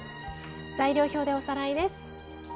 材料表でおさらいです。